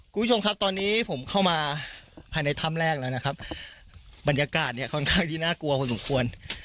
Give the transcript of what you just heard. คุณผู้ชมครับตอนนี้ผมเข้ามาภายในถ้ำแรกแล้วนะครับบรรยากาศเนี่ยค่อนข้างที่น่ากลัวพอสมควร